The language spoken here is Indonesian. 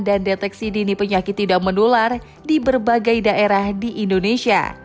dan deteksi dini penyakit tidak menular di berbagai daerah di indonesia